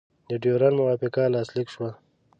د ډیورنډ موافقه لاسلیک شوه.